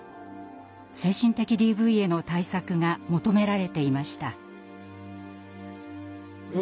精神的ＤＶへの対策が求められていました。